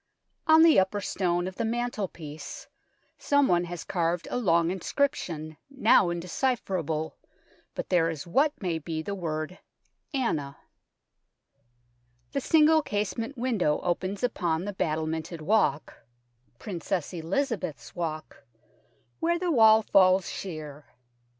On the upper stone of the mantelpiece 124 THE TOWER OF LONDON some one has carved a long inscription, now indecipherable, but there is what may be the word " Anna/' The single casement window opens upon the battlemented walk " Princess Eliza beth's Walk "where the wall falls sheer.